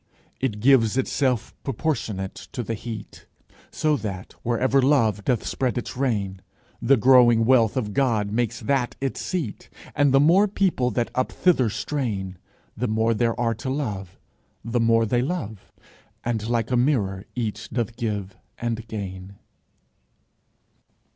It gives itself proportionate to the heat: So that, wherever Love doth spread its reign, The growing wealth of God makes that its seat. And the more people that up thither strain, The more there are to love, the more they love, And like a mirror each doth give and gain.